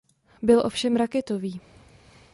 Byl ovšem raketový.